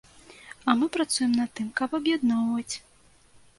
А мы працуем над тым, каб аб'ядноўваць.